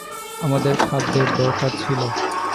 আমাদের খাদ্যের দরকার ছিল।